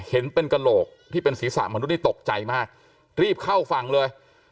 เห็นเป็นกระโหลกที่เป็นศีรษะมนุษย์ตกใจมากรีบเข้าฝั่งเลย